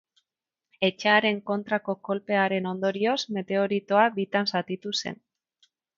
Etxearen kontrako kolpearen ondorioz, meteoritoa bitan zatitu zen.